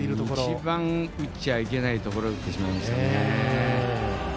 一番打っちゃいけないところ打ってしまいましたね。